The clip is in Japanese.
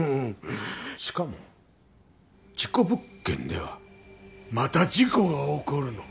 しかも事故物件ではまた事故が起こるの。